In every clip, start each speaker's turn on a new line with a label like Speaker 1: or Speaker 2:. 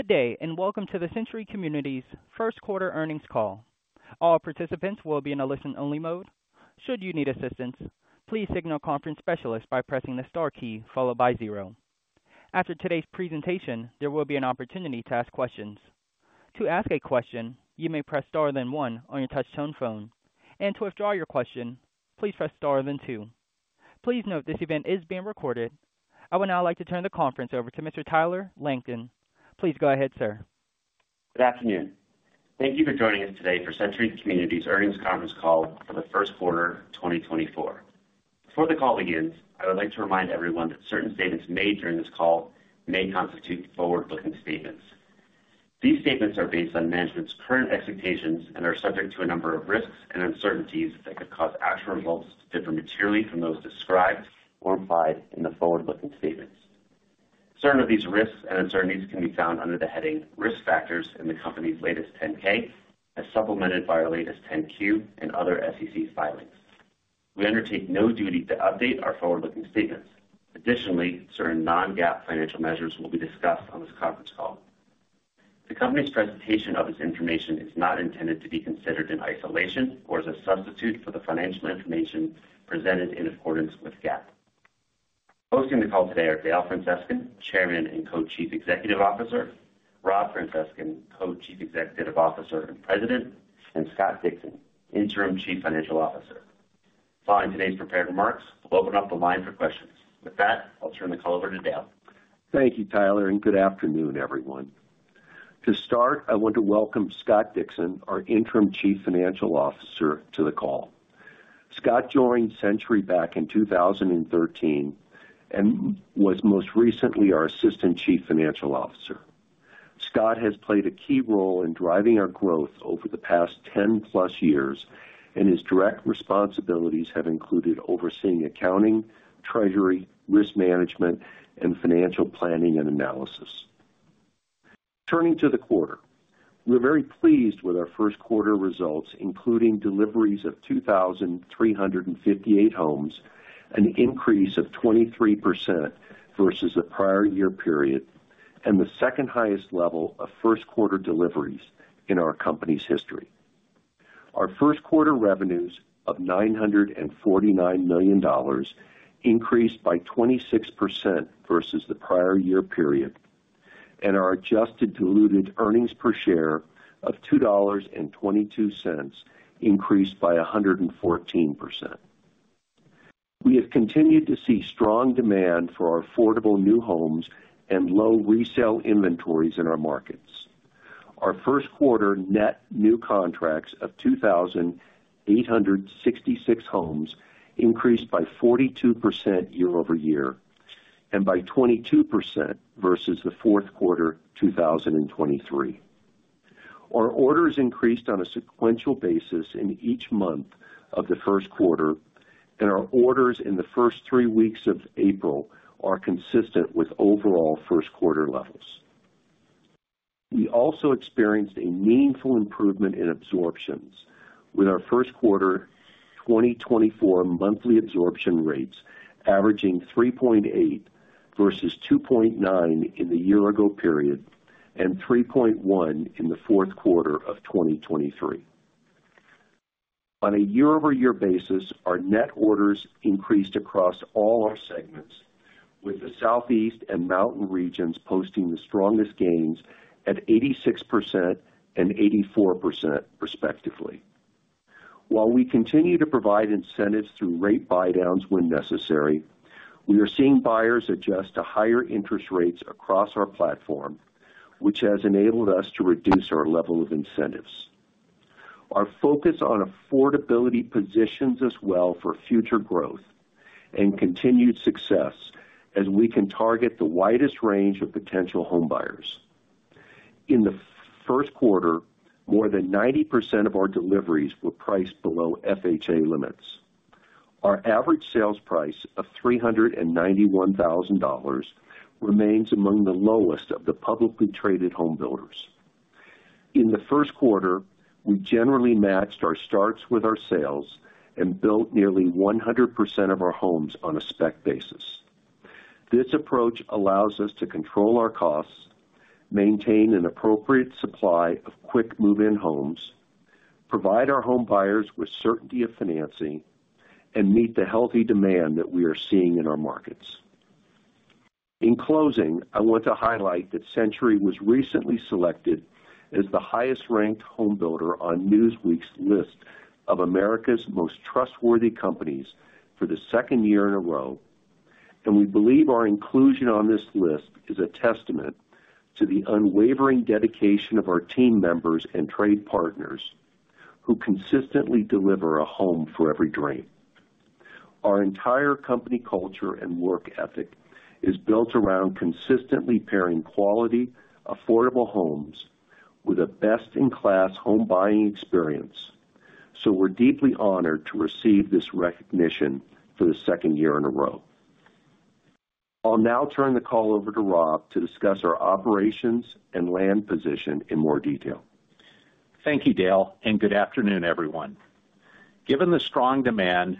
Speaker 1: Good day and welcome to the Century Communities first quarter earnings call. All participants will be in a listen-only mode. Should you need assistance, please signal Conference Specialist by pressing the star key followed by zero. After today's presentation, there will be an opportunity to ask questions. To ask a question, you may press star then one on your touch-tone phone, and to withdraw your question, please press star then two. Please note this event is being recorded. I would now like to turn the conference over to Mr. Tyler Langton. Please go ahead, sir.
Speaker 2: Good afternoon. Thank you for joining us today for Century Communities earnings conference call for the first quarter 2024. Before the call begins, I would like to remind everyone that certain statements made during this call may constitute forward-looking statements. These statements are based on management's current expectations and are subject to a number of risks and uncertainties that could cause actual results to differ materially from those described or implied in the forward-looking statements. Certain of these risks and uncertainties can be found under the heading "Risk Factors in the Company's Latest 10-K," as supplemented by our latest 10-Q and other SEC filings. We undertake no duty to update our forward-looking statements. Additionally, certain non-GAAP financial measures will be discussed on this conference call. The company's presentation of this information is not intended to be considered in isolation or as a substitute for the financial information presented in accordance with GAAP. Hosting the call today are Dale Francescon, Chairman and Co-Chief Executive Officer, Rob Francescon, Co-Chief Executive Officer and President, and Scott Dixon, Interim Chief Financial Officer. Following today's prepared remarks, we'll open up the line for questions. With that, I'll turn the call over to Dale.
Speaker 3: Thank you, Tyler, and good afternoon, everyone. To start, I want to welcome Scott Dixon, our Interim Chief Financial Officer, to the call. Scott joined Century back in 2013 and was most recently our Assistant Chief Financial Officer. Scott has played a key role in driving our growth over the past 10+ years, and his direct responsibilities have included overseeing accounting, treasury, risk management, and financial planning and analysis. Turning to the quarter, we're very pleased with our first quarter results, including deliveries of 2,358 homes, an increase of 23% versus the prior year period, and the second-highest level of first-quarter deliveries in our company's history. Our first quarter revenues of $949 million increased by 26% versus the prior year period, and our adjusted diluted earnings per share of $2.22 increased by 114%. We have continued to see strong demand for our affordable new homes and low resale inventories in our markets. Our first quarter net new contracts of 2,866 homes increased by 42% year-over-year and by 22% versus the fourth quarter 2023. Our orders increased on a sequential basis in each month of the first quarter, and our orders in the first three weeks of April are consistent with overall first-quarter levels. We also experienced a meaningful improvement in absorptions, with our first quarter 2024 monthly absorption rates averaging 3.8% versus 2.9% in the year-ago period and 3.1% in the fourth quarter of 2023. On a year-over-year basis, our net orders increased across all our segments, with the Southeast and Mountain regions posting the strongest gains at 86% and 84%, respectively. While we continue to provide incentives through rate buy-downs when necessary, we are seeing buyers adjust to higher interest rates across our platform, which has enabled us to reduce our level of incentives. Our focus on affordability positions us well for future growth and continued success as we can target the widest range of potential homebuyers. In the first quarter, more than 90% of our deliveries were priced below FHA limits. Our average sales price of $391,000 remains among the lowest of the publicly traded homebuilders. In the first quarter, we generally matched our starts with our sales and built nearly 100% of our homes on a spec basis. This approach allows us to control our costs, maintain an appropriate supply of quick move-in homes, provide our homebuyers with certainty of financing, and meet the healthy demand that we are seeing in our markets. In closing, I want to highlight that Century was recently selected as the highest-ranked homebuilder on Newsweek's list of America's Most Trustworthy Companies for the second year in a row, and we believe our inclusion on this list is a testament to the unwavering dedication of our team members and trade partners who consistently deliver a home for every dream. Our entire company culture and work ethic is built around consistently pairing quality, affordable homes with a best-in-class home buying experience, so we're deeply honored to receive this recognition for the second year in a row. I'll now turn the call over to Rob to discuss our operations and land position in more detail.
Speaker 4: Thank you, Dale, and good afternoon, everyone. Given the strong demand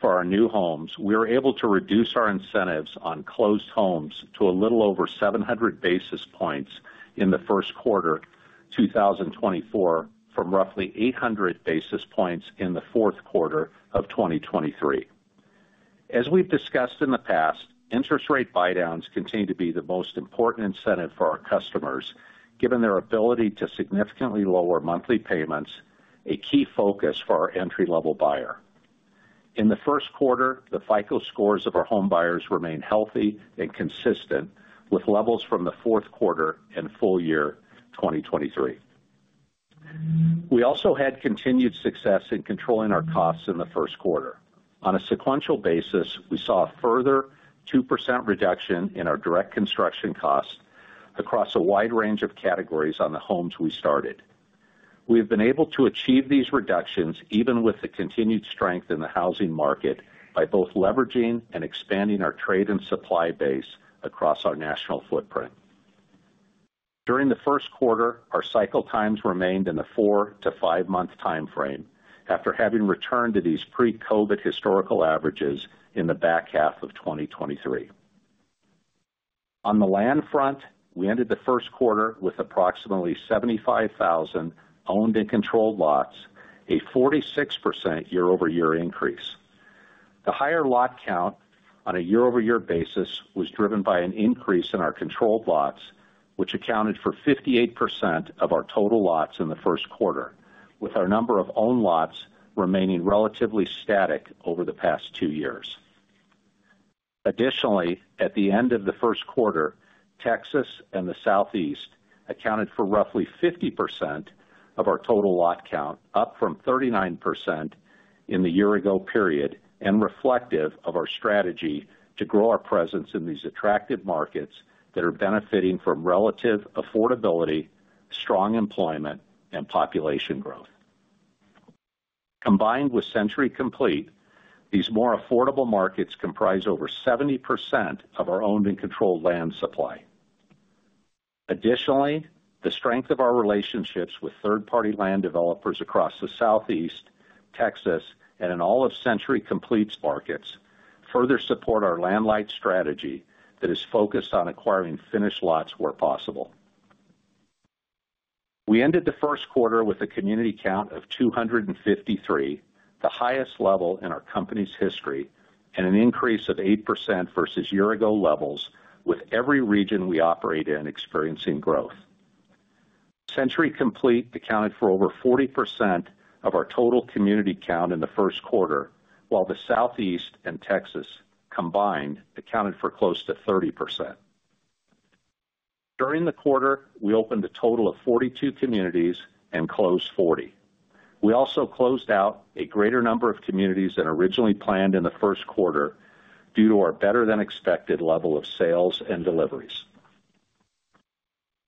Speaker 4: for our new homes, we were able to reduce our incentives on closed homes to a little over 700 basis points in the first quarter 2024 from roughly 800 basis points in the fourth quarter of 2023. As we've discussed in the past, interest rate buy-downs continue to be the most important incentive for our customers, given their ability to significantly lower monthly payments, a key focus for our entry-level buyer. In the first quarter, the FICO scores of our homebuyers remained healthy and consistent with levels from the fourth quarter and full year 2023. We also had continued success in controlling our costs in the first quarter. On a sequential basis, we saw a further 2% reduction in our direct construction costs across a wide range of categories on the homes we started. We have been able to achieve these reductions even with the continued strength in the housing market by both leveraging and expanding our trade and supply base across our national footprint. During the first quarter, our cycle times remained in the four to five month time frame after having returned to these pre-COVID historical averages in the back half of 2023. On the land front, we ended the first quarter with approximately 75,000 owned and controlled lots, a 46% year-over-year increase. The higher lot count on a year-over-year basis was driven by an increase in our controlled lots, which accounted for 58% of our total lots in the first quarter, with our number of owned lots remaining relatively static over the past two years. Additionally, at the end of the first quarter, Texas and the Southeast accounted for roughly 50% of our total lot count, up from 39% in the year-ago period and reflective of our strategy to grow our presence in these attractive markets that are benefiting from relative affordability, strong employment, and population growth. Combined with Century Complete, these more affordable markets comprise over 70% of our owned and controlled land supply. Additionally, the strength of our relationships with third-party land developers across the Southeast, Texas, and in all of Century Complete's markets further support our land-light strategy that is focused on acquiring finished lots where possible. We ended the first quarter with a community count of 253, the highest level in our company's history, and an increase of 8% versus year-ago levels, with every region we operate in experiencing growth. Century Complete accounted for over 40% of our total community count in the first quarter, while the Southeast and Texas, combined, accounted for close to 30%. During the quarter, we opened a total of 42 communities and closed 40. We also closed out a greater number of communities than originally planned in the first quarter due to our better-than-expected level of sales and deliveries.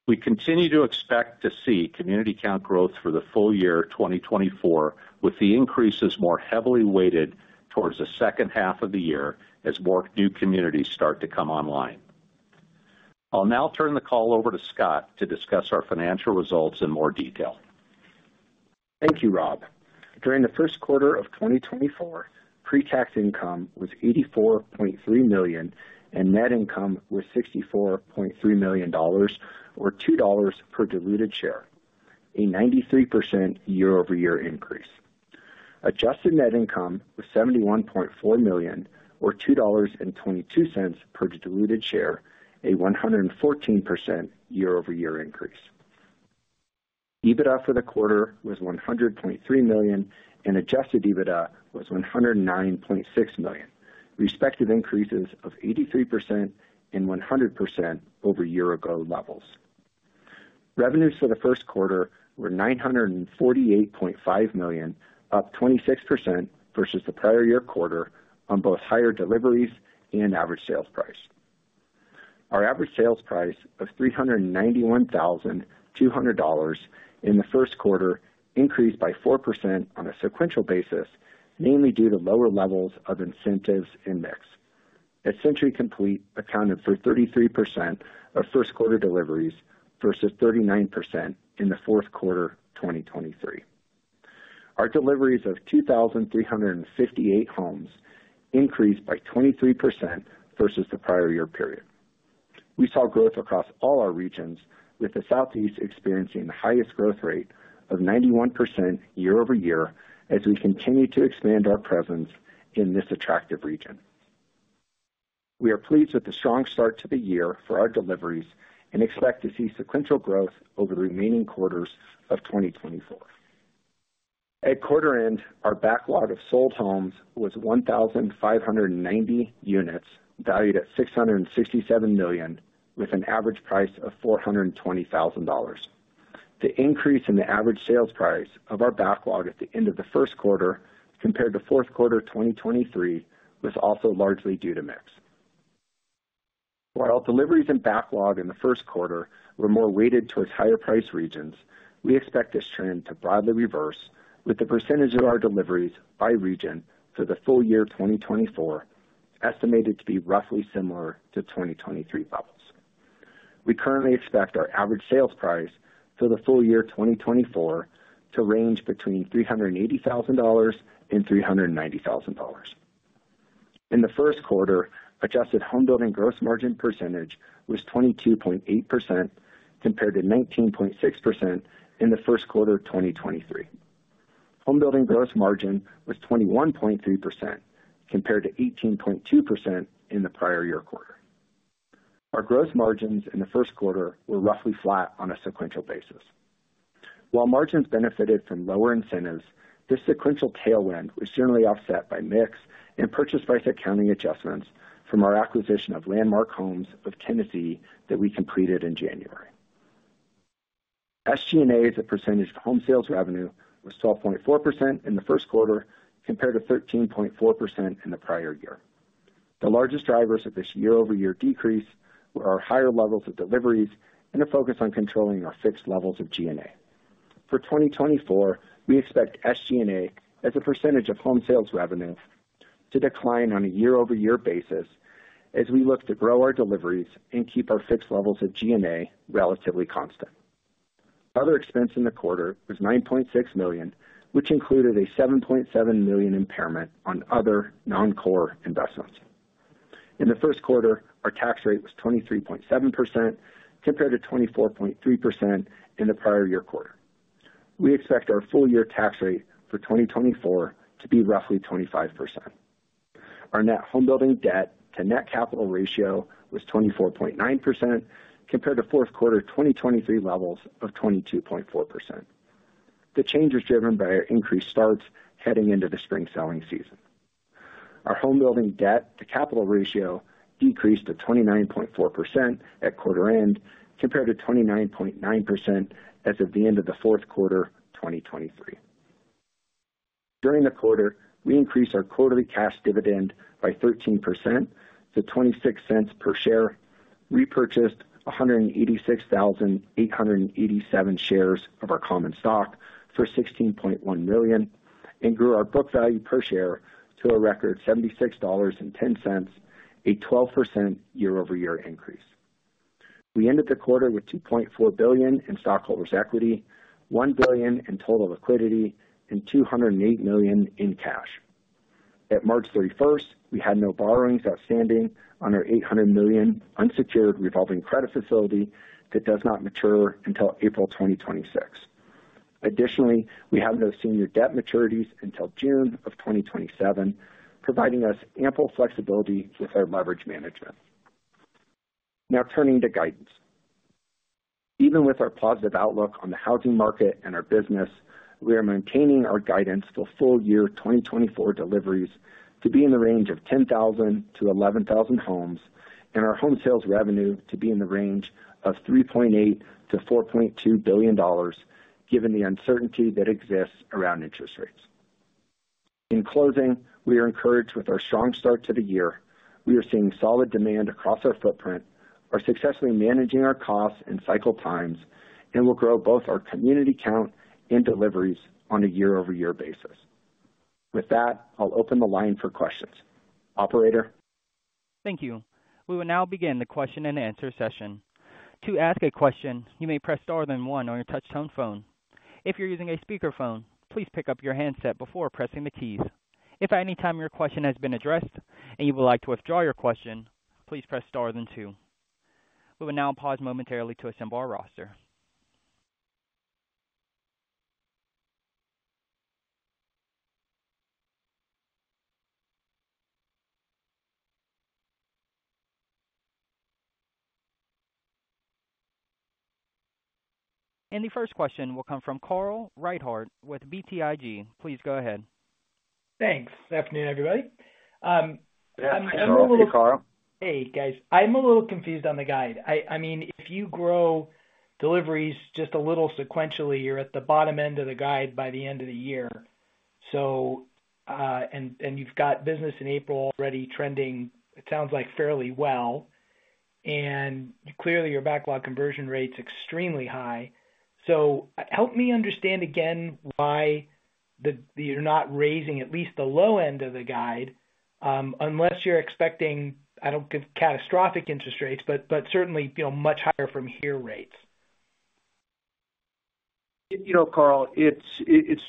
Speaker 4: We continue to expect to see community count growth for the full year 2024, with the increases more heavily weighted towards the second half of the year as more new communities start to come online. I'll now turn the call over to Scott to discuss our financial results in more detail.
Speaker 5: Thank you, Rob. During the first quarter of 2024, pre-tax income was $84.3 million and net income was $64.3 million, or $2 per diluted share, a 93% year-over-year increase. Adjusted net income was $71.4 million, or $2.22 per diluted share, a 114% year-over-year increase. EBITDA for the quarter was $100.3 million and adjusted EBITDA was $109.6 million, respective increases of 83% and 100% over year-ago levels. Revenues for the first quarter were $948.5 million, up 26% versus the prior year quarter on both higher deliveries and average sales price. Our average sales price of $391,200 in the first quarter increased by 4% on a sequential basis, mainly due to lower levels of incentives in mix. At Century Complete, accounted for 33% of first-quarter deliveries versus 39% in the fourth quarter 2023. Our deliveries of 2,358 homes increased by 23% versus the prior year period. We saw growth across all our regions, with the Southeast experiencing the highest growth rate of 91% year-over-year as we continue to expand our presence in this attractive region. We are pleased with the strong start to the year for our deliveries and expect to see sequential growth over the remaining quarters of 2024. At quarter-end, our backlog of sold homes was 1,590 units, valued at $667 million, with an average price of $420,000. The increase in the average sales price of our backlog at the end of the first quarter compared to fourth quarter 2023 was also largely due to mix. While deliveries and backlog in the first quarter were more weighted towards higher-priced regions, we expect this trend to broadly reverse, with the percentage of our deliveries by region for the full year 2024 estimated to be roughly similar to 2023 levels. We currently expect our average sales price for the full year 2024 to range between $380,000-$390,000. In the first quarter, adjusted homebuilding gross margin percentage was 22.8% compared to 19.6% in the first quarter 2023. Homebuilding gross margin was 21.3% compared to 18.2% in the prior-year quarter. Our gross margins in the first quarter were roughly flat on a sequential basis. While margins benefited from lower incentives, this sequential tailwind was generally offset by mix and purchase price accounting adjustments from our acquisition of Landmark Homes of Tennessee that we completed in January. SG&A's percentage of home sales revenue was 12.4% in the first quarter compared to 13.4% in the prior year. The largest drivers of this year-over-year decrease were our higher levels of deliveries and a focus on controlling our fixed levels of G&A. For 2024, we expect SG&A, as a percentage of home sales revenue, to decline on a year-over-year basis as we look to grow our deliveries and keep our fixed levels of G&A relatively constant. Other expense in the quarter was $9.6 million, which included a $7.7 million impairment on other non-core investments. In the first quarter, our tax rate was 23.7% compared to 24.3% in the prior year quarter. We expect our full-year tax rate for 2024 to be roughly 25%. Our net homebuilding debt-to-net capital ratio was 24.9% compared to fourth quarter 2023 levels of 22.4%. The change is driven by our increased starts heading into the spring selling season. Our homebuilding debt-to-capital ratio decreased to 29.4% at quarter-end compared to 29.9% as of the end of the fourth quarter 2023. During the quarter, we increased our quarterly cash dividend by 13% to $0.26 per share, repurchased 186,887 shares of our common stock for $16.1 million, and grew our book value per share to a record $76.10, a 12% year-over-year increase. We ended the quarter with $2.4 billion in stockholders' equity, $1 billion in total liquidity, and $208 million in cash. At March 31st, we had no borrowings outstanding on our $800 million unsecured revolving credit facility that does not mature until April 2026. Additionally, we have no senior debt maturities until June of 2027, providing us ample flexibility with our leverage management. Now turning to guidance. Even with our positive outlook on the housing market and our business, we are maintaining our guidance for full-year 2024 deliveries to be in the range of 10,000 homes-11,000 homes and our home sales revenue to be in the range of $3.8 billion-$4.2 billion, given the uncertainty that exists around interest rates. In closing, we are encouraged with our strong start to the year. We are seeing solid demand across our footprint. We're successfully managing our costs and cycle times and will grow both our community count and deliveries on a year-over-year basis. With that, I'll open the line for questions. Operator.
Speaker 1: Thank you. We will now begin the question-and-answer session. To ask a question, you may press star, then one on your touch-tone phone. If you're using a speakerphone, please pick up your handset before pressing the keys. If at any time your question has been addressed and you would like to withdraw your question, please press star, then two. We will now pause momentarily to assemble our roster. The first question will come from Carl Reichardt with BTIG. Please go ahead.
Speaker 6: Thanks. Good afternoon, everybody.
Speaker 4: Hi, Carl.
Speaker 6: Hey, guys. I'm a little confused on the guide. I mean, if you grow deliveries just a little sequentially, you're at the bottom end of the guide by the end of the year. And you've got business in April already trending, it sounds like, fairly well. And clearly, your backlog conversion rate's extremely high. So help me understand again why you're not raising at least the low end of the guide unless you're expecting I don't give catastrophic interest rates, but certainly much higher-from-here rates.
Speaker 4: Carl, it's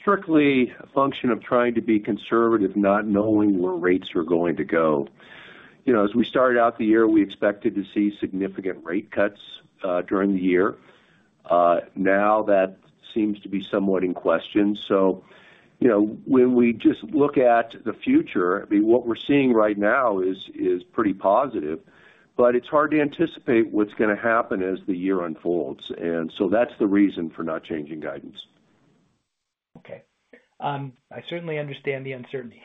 Speaker 4: strictly a function of trying to be conservative, not knowing where rates are going to go. As we started out the year, we expected to see significant rate cuts during the year. Now that seems to be somewhat in question. So when we just look at the future, what we're seeing right now is pretty positive, but it's hard to anticipate what's going to happen as the year unfolds. And so that's the reason for not changing guidance.
Speaker 6: Okay. I certainly understand the uncertainty.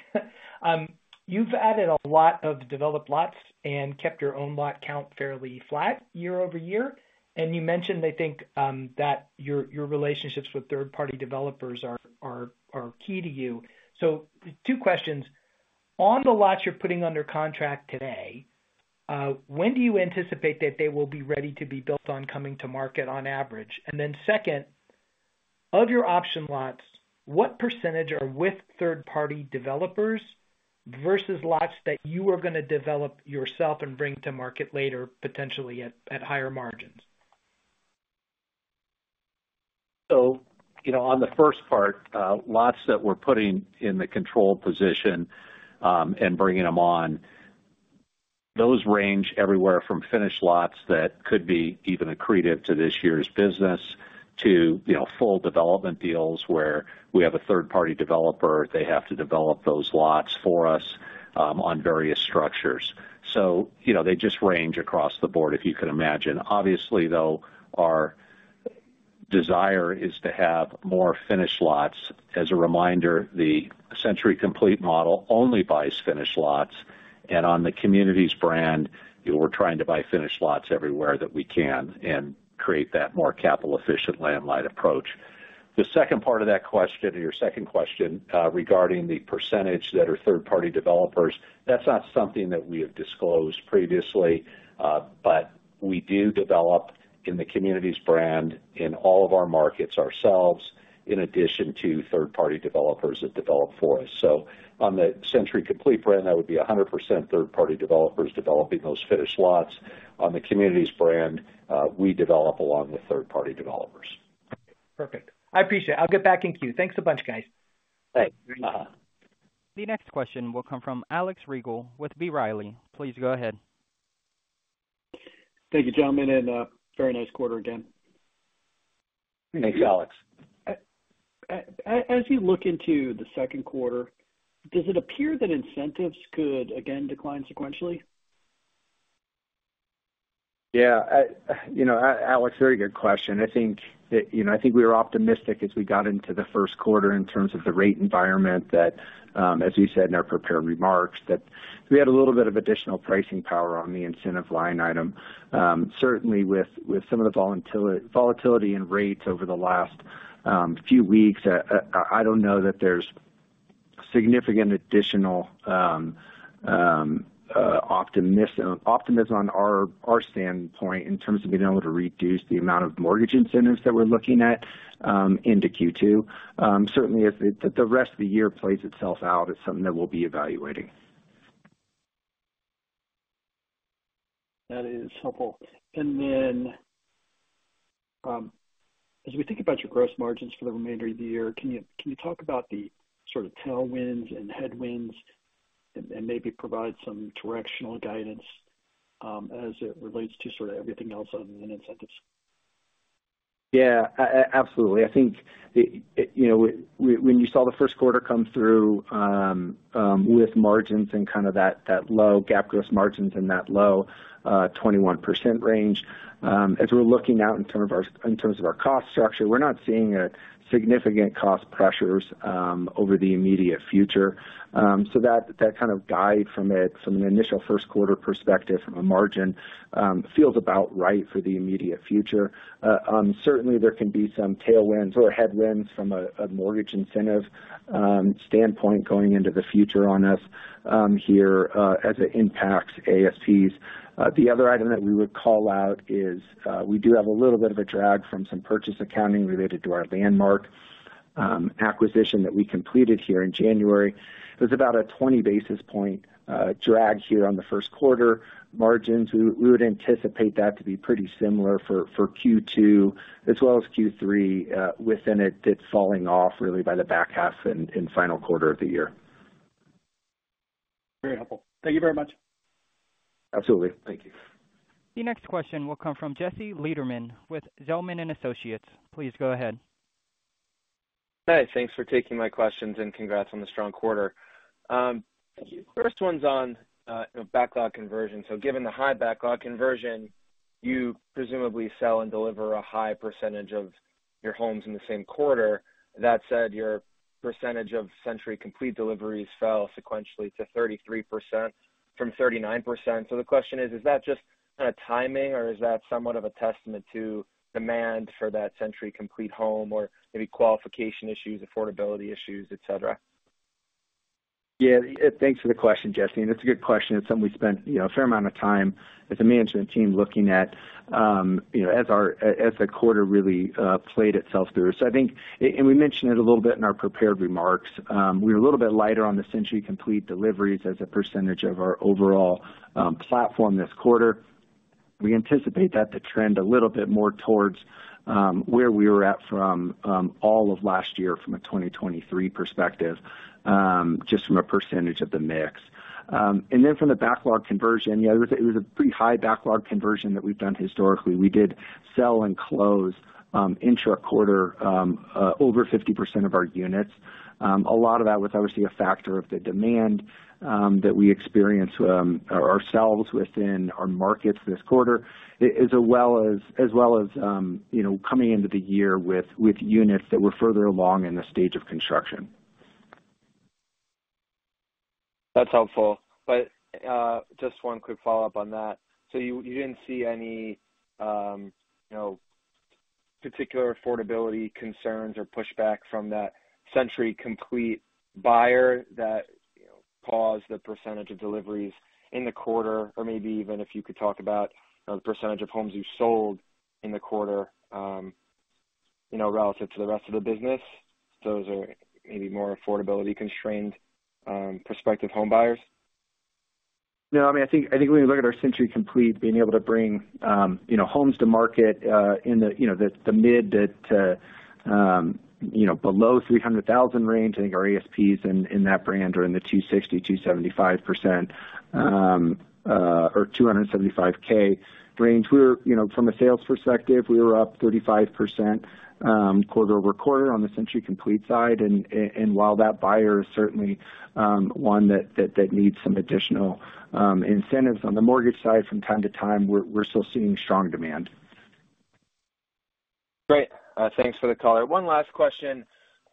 Speaker 6: You've added a lot of developed lots and kept your own lot count fairly flat year-over-year. And you mentioned, I think, that your relationships with third-party developers are key to you. So two questions. On the lots you're putting under contract today, when do you anticipate that they will be ready to be built on, coming to market, on average? And then second, of your option lots, what percentage are with third-party developers versus lots that you are going to develop yourself and bring to market later, potentially at higher margins?
Speaker 4: So on the first part, lots that we're putting in the controlled position and bringing them on, those range everywhere from finished lots that could be even accretive to this year's business to full development deals where we have a third-party developer, they have to develop those lots for us on various structures. So they just range across the board, if you can imagine. Obviously, though, our desire is to have more finished lots. As a reminder, the Century Complete model only buys finished lots. And on the community's brand, we're trying to buy finished lots everywhere that we can and create that more capital-efficient land-light approach. The second part of that question, or your second question, regarding the percentage that are third-party developers, that's not something that we have disclosed previously. But we do develop in the Century Communities' brand in all of our markets ourselves, in addition to third-party developers that develop for us. So on the Century Complete brand, that would be 100% third-party developers developing those finished lots. On the Century Communities' brand, we develop along with third-party developers.
Speaker 6: Perfect. I appreciate it. I'll get back in queue. Thanks a bunch, guys.
Speaker 4: Thanks.
Speaker 1: The next question will come from Alex Rygiel with B. Riley. Please go ahead.
Speaker 7: Thank you, gentlemen. Very nice quarter again.
Speaker 4: Thanks, Alex.
Speaker 7: As you look into the second quarter, does it appear that incentives could, again, decline sequentially?
Speaker 5: Yeah. Alex, very good question. I think we were optimistic as we got into the first quarter in terms of the rate environment that, as we said in our prepared remarks, that we had a little bit of additional pricing power on the incentive line item. Certainly, with some of the volatility in rates over the last few weeks, I don't know that there's significant additional optimism on our standpoint in terms of being able to reduce the amount of mortgage incentives that we're looking at into Q2. Certainly, as the rest of the year plays itself out, it's something that we'll be evaluating.
Speaker 7: That is helpful. And then, as we think about your gross margins for the remainder of the year, can you talk about the sort of tailwinds and headwinds and maybe provide some directional guidance as it relates to sort of everything else other than incentives?
Speaker 5: Yeah, absolutely. I think when you saw the first quarter come through with margins and kind of that low GAAP gross margins and that low 21% range, as we're looking out in terms of our cost structure, we're not seeing significant cost pressures over the immediate future. So that kind of guide from it, from an initial first-quarter perspective, from a margin, feels about right for the immediate future. Certainly, there can be some tailwinds or headwinds from a mortgage incentive standpoint going into the future on us here as it impacts ASPs. The other item that we would call out is we do have a little bit of a drag from some purchase accounting related to our Landmark acquisition that we completed here in January. It was about a 20 basis points drag here on the first quarter margins. We would anticipate that to be pretty similar for Q2 as well as Q3 within it, that falling off really by the back half and final quarter of the year.
Speaker 7: Very helpful. Thank you very much.
Speaker 5: Absolutely. Thank you.
Speaker 1: The next question will come from Jesse Lederman with Zelman & Associates. Please go ahead.
Speaker 8: Hey. Thanks for taking my questions and congrats on the strong quarter. The first one's on backlog conversion. So given the high backlog conversion, you presumably sell and deliver a high percentage of your homes in the same quarter. That said, your percentage of Century Complete deliveries fell sequentially to 33% from 39%. So the question is, is that just kind of timing, or is that somewhat of a testament to demand for that Century Complete home or maybe qualification issues, affordability issues, etc.?
Speaker 5: Yeah. Thanks for the question, Jesse. It's a good question. It's something we spent a fair amount of time as a management team looking at as the quarter really played itself through. We mentioned it a little bit in our prepared remarks. We were a little bit lighter on the Century Complete deliveries as a percentage of our overall platform this quarter. We anticipate that to trend a little bit more towards where we were at from all of last year from a 2023 perspective, just from a percentage of the mix. Then from the backlog conversion, it was a pretty high backlog conversion that we've done historically. We did sell and close intra-quarter over 50% of our units. A lot of that was obviously a factor of the demand that we experienced ourselves within our markets this quarter, as well as coming into the year with units that were further along in the stage of construction.
Speaker 8: That's helpful. But just one quick follow-up on that. So you didn't see any particular affordability concerns or pushback from that Century Complete buyer that caused the percentage of deliveries in the quarter? Or maybe even if you could talk about the percentage of homes you sold in the quarter relative to the rest of the business? Those are maybe more affordability-constrained prospective home buyers?
Speaker 5: No. I mean, I think when you look at our Century Complete, being able to bring homes to market in the mid- to below $300,000 range, I think our ASPs in that brand are in the $260,000-$275,000 range. From a sales perspective, we were up 35% quarter-over-quarter on the Century Complete side. And while that buyer is certainly one that needs some additional incentives on the mortgage side, from time to time, we're still seeing strong demand.
Speaker 8: Great. Thanks for the call. One last question.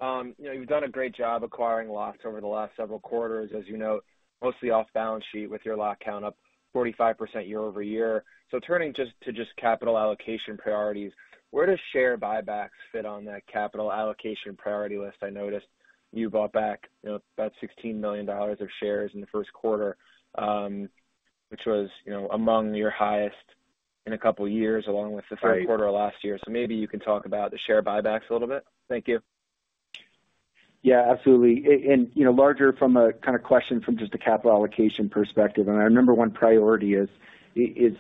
Speaker 8: You've done a great job acquiring lots over the last several quarters, as you note, mostly off balance sheet with your lot count up 45% year-over-year. So turning to capital allocation priorities, where do share buybacks fit on that capital allocation priority list? I noticed you bought back about $16 million of shares in the first quarter, which was among your highest in a couple of years, along with the third quarter of last year. So maybe you can talk about the share buybacks a little bit. Thank you.
Speaker 5: Yeah, absolutely. And larger from a kind of question from just a capital allocation perspective. And our number one priority is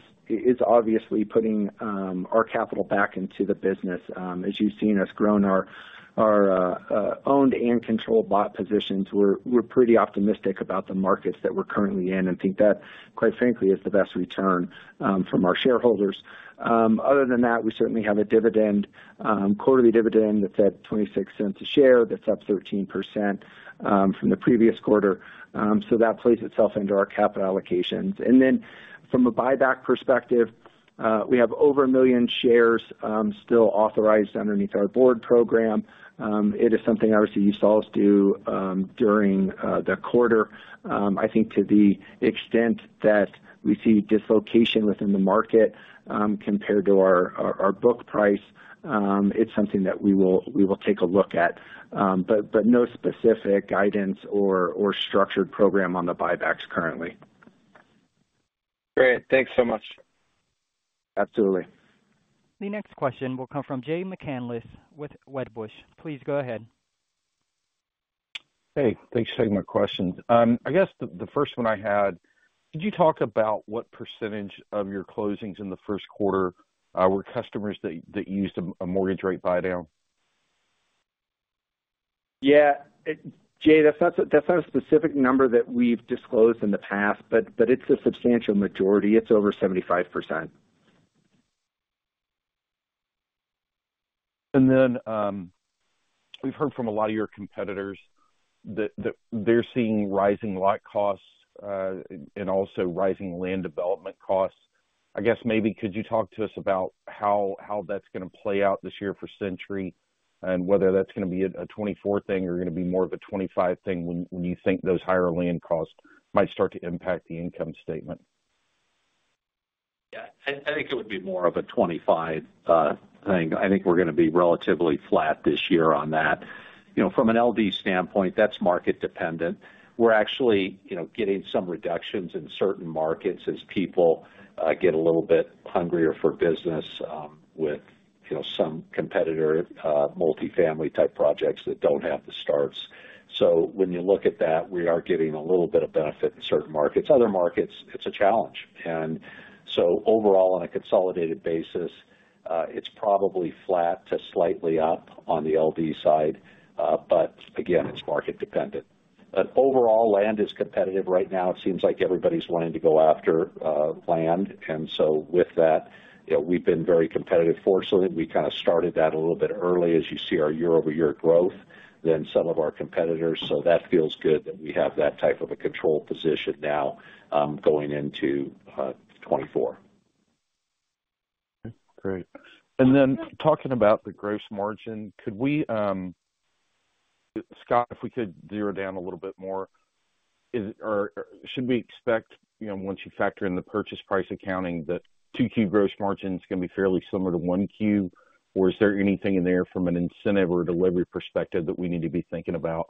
Speaker 5: obviously putting our capital back into the business. As you've seen us grow our owned and controlled-bought positions, we're pretty optimistic about the markets that we're currently in and think that, quite frankly, is the best return from our shareholders. Other than that, we certainly have a quarterly dividend that's at $0.26 a share, that's up 13% from the previous quarter. So that plays itself into our capital allocations. And then from a buyback perspective, we have over 1 million shares still authorized underneath our board program. It is something, obviously, you saw us do during the quarter. I think to the extent that we see dislocation within the market compared to our book price, it's something that we will take a look at. No specific guidance or structured program on the buybacks currently.
Speaker 8: Great. Thanks so much.
Speaker 5: Absolutely.
Speaker 1: The next question will come from Jay McCanless with Wedbush. Please go ahead.
Speaker 9: Hey. Thanks for taking my questions. I guess the first one I had, could you talk about what percentage of your closings in the first quarter were customers that used a mortgage rate buy-down?
Speaker 5: Yeah. Jay, that's not a specific number that we've disclosed in the past, but it's a substantial majority. It's over 75%.
Speaker 9: And then we've heard from a lot of your competitors that they're seeing rising lot costs and also rising land development costs. I guess maybe could you talk to us about how that's going to play out this year for Century and whether that's going to be a 2024 thing or going to be more of a 2025 thing when you think those higher land costs might start to impact the income statement?
Speaker 4: Yeah. I think it would be more of a 25% thing. I think we're going to be relatively flat this year on that. From an LD standpoint, that's market-dependent. We're actually getting some reductions in certain markets as people get a little bit hungrier for business with some competitor multifamily-type projects that don't have the starts. So when you look at that, we are getting a little bit of benefit in certain markets. Other markets, it's a challenge. And so overall, on a consolidated basis, it's probably flat to slightly up on the LD side. But again, it's market-dependent. But overall, land is competitive. Right now, it seems like everybody's wanting to go after land. And so with that, we've been very competitive. Fortunately, we kind of started that a little bit early, as you see our year-over-year growth than some of our competitors. So that feels good that we have that type of a controlled position now going into 2024.
Speaker 9: Okay. Great. And then talking about the gross margin, Scott, if we could drill down a little bit more, should we expect, once you factor in the purchase price accounting, that 2Q gross margin is going to be fairly similar to 1Q? Or is there anything in there from an incentive or a delivery perspective that we need to be thinking about?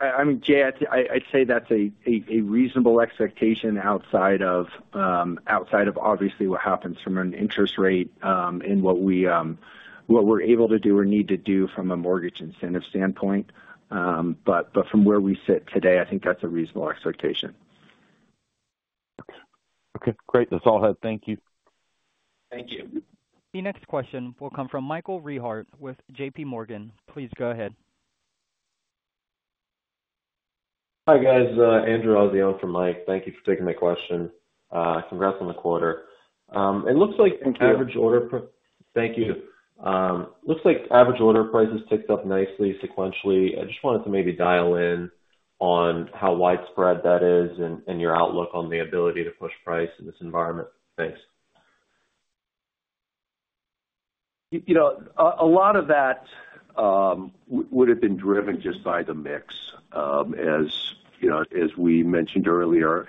Speaker 5: I mean, Jay, I'd say that's a reasonable expectation outside of, obviously, what happens from an interest rate and what we're able to do or need to do from a mortgage incentive standpoint. But from where we sit today, I think that's a reasonable expectation.
Speaker 9: Okay. Great. That's all I had. Thank you.
Speaker 5: Thank you.
Speaker 1: The next question will come from Michael Rehaut with JPMorgan. Please go ahead.
Speaker 10: Hi, guys. Andrew Azzi for Mike. Thank you for taking my question. Congrats on the quarter. It looks like. Average order. Thank you. Looks like average order prices ticked up nicely sequentially. I just wanted to maybe dial in on how widespread that is and your outlook on the ability to push price in this environment. Thanks.
Speaker 4: A lot of that would have been driven just by the mix, as we mentioned earlier.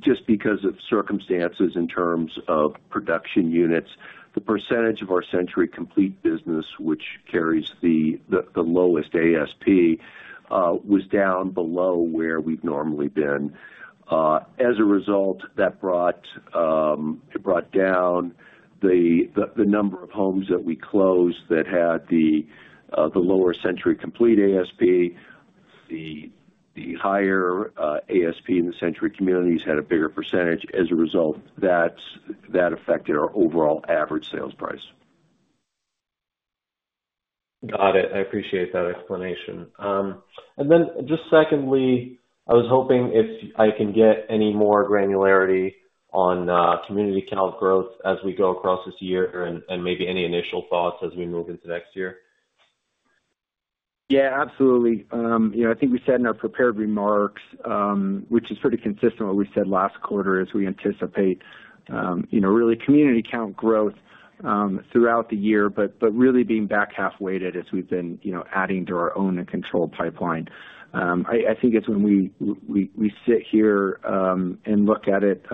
Speaker 4: Just because of circumstances in terms of production units, the percentage of our Century Complete business, which carries the lowest ASP, was down below where we've normally been. As a result, it brought down the number of homes that we closed that had the lower Century Complete ASP. The higher ASP in the Century Communities had a bigger percentage. As a result, that affected our overall average sales price.
Speaker 10: Got it. I appreciate that explanation. Then just secondly, I was hoping if I can get any more granularity on community count growth as we go across this year and maybe any initial thoughts as we move into next year.
Speaker 5: Yeah, absolutely. I think we said in our prepared remarks, which is pretty consistent with what we said last quarter, is we anticipate really community count growth throughout the year, but really being back half-weighted as we've been adding to our own and controlled pipeline. I think as when we sit here and look at it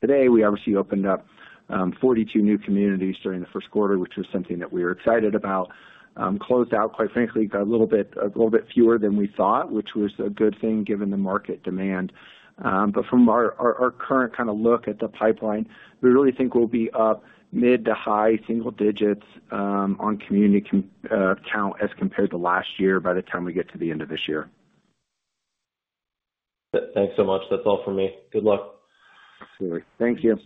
Speaker 5: today, we obviously opened up 42 new communities during the first quarter, which was something that we were excited about. Closed out, quite frankly, got a little bit fewer than we thought, which was a good thing given the market demand. But from our current kind of look at the pipeline, we really think we'll be up mid to high single digits on community count as compared to last year by the time we get to the end of this year.
Speaker 10: Thanks so much. That's all from me. Good luck.
Speaker 5: Absolutely. Thank you.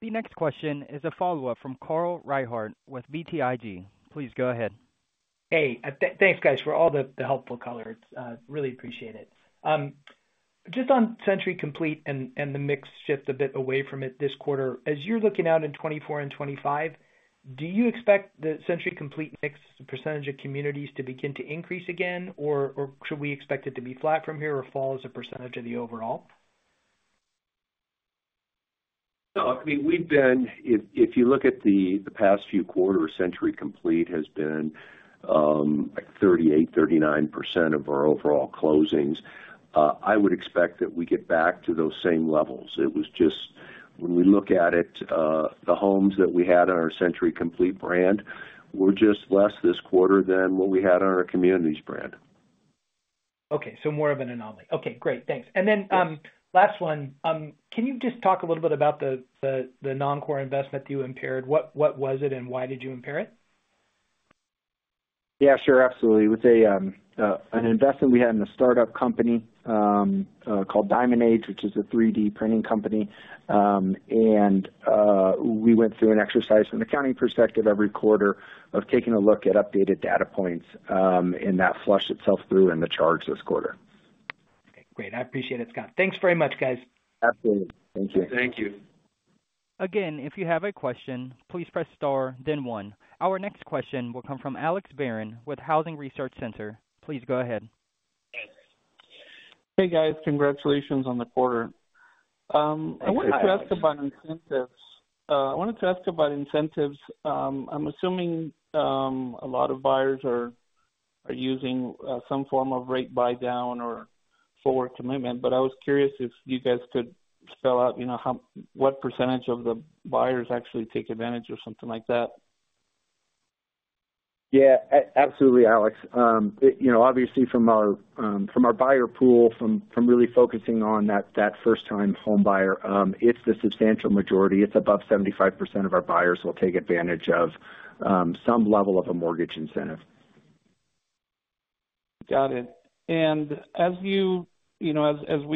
Speaker 1: The next question is a follow-up from Carl Reichardt with BTIG. Please go ahead.
Speaker 6: Hey. Thanks, guys, for all the helpful colors. Really appreciate it. Just on Century Complete and the mix shift a bit away from it this quarter, as you're looking out in 2024 and 2025, do you expect the Century Complete mix, the percentage of communities, to begin to increase again? Or should we expect it to be flat from here or fall as a percentage of the overall?
Speaker 4: No. I mean, if you look at the past few quarters, Century Complete has been 38%-39% of our overall closings. I would expect that we get back to those same levels. It was just when we look at it, the homes that we had on our Century Complete brand were just less this quarter than what we had on our Communities brand.
Speaker 6: Okay. So more of an anomaly. Okay. Great. Thanks. And then last one, can you just talk a little bit about the non-core investment that you impaired? What was it, and why did you impair it?
Speaker 5: Yeah, sure. Absolutely. It was an investment we had in a startup company called Diamond Age, which is a 3D printing company. We went through an exercise from an accounting perspective every quarter of taking a look at updated data points, and that flushed itself through in the charts this quarter.
Speaker 6: Okay. Great. I appreciate it, Scott. Thanks very much, guys.
Speaker 5: Absolutely. Thank you.
Speaker 4: Thank you.
Speaker 1: Again, if you have a question, please press star, then one. Our next question will come from Alex Barron with Housing Research Center. Please go ahead.
Speaker 11: Hey, guys. Congratulations on the quarter. I wanted to ask about incentives. I wanted to ask about incentives. I'm assuming a lot of buyers are using some form of rate buy-down or forward commitment. But I was curious if you guys could spell out what percentage of the buyers actually take advantage or something like that.
Speaker 4: Yeah. Absolutely, Alex. Obviously, from our buyer pool, from really focusing on that first-time home buyer, it's the substantial majority. It's above 75% of our buyers will take advantage of some level of a mortgage incentive.
Speaker 11: Got it. And as we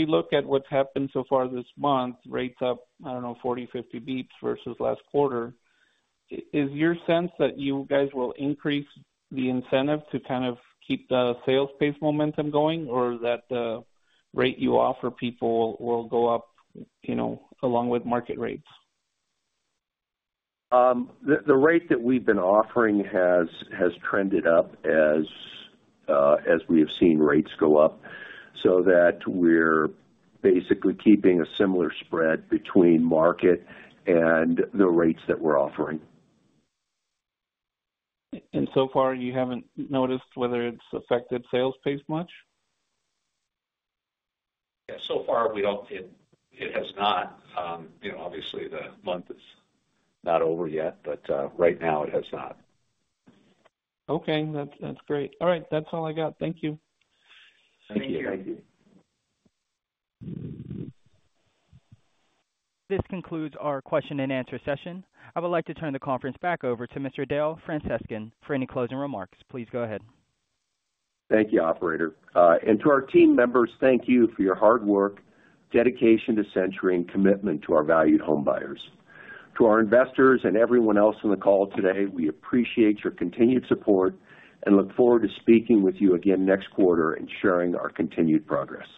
Speaker 11: look at what's happened so far this month, rates up, I don't know, 40, 50 beeps versus last quarter, is your sense that you guys will increase the incentive to kind of keep the sales pace momentum going? Or that the rate you offer people will go up along with market rates?
Speaker 3: The rate that we've been offering has trended up as we have seen rates go up so that we're basically keeping a similar spread between market and the rates that we're offering.
Speaker 11: So far, you haven't noticed whether it's affected sales pace much?
Speaker 3: Yeah. So far, we don't. It has not. Obviously, the month is not over yet, but right now, it has not.
Speaker 11: Okay. That's great. All right. That's all I got. Thank you.
Speaker 4: Thank you.
Speaker 3: Thank you.
Speaker 1: This concludes our question-and-answer session. I would like to turn the conference back over to Mr. Dale Francescon for any closing remarks. Please go ahead.
Speaker 3: Thank you, operator. To our team members, thank you for your hard work, dedication to Century, and commitment to our valued home buyers. To our investors and everyone else on the call today, we appreciate your continued support and look forward to speaking with you again next quarter and sharing our continued progress.